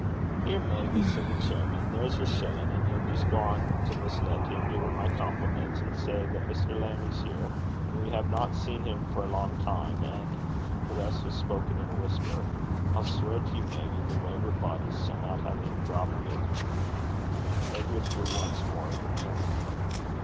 'Here, Meggie,' said the chairman, 'there's yer shillin'; and ye jist gang to Miss Lettie, and gie her my compliments, and say that Mr. Lammie's here, and we haena seen him for a lang time. And' the rest was spoken in a whisper 'I'll sweir to ye, Meggie, the weyver body sanna hae ae drap o' 't.' Meg withdrew once more, and returned.